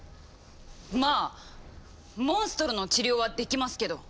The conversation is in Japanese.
まあモンストロの治療はできますけど！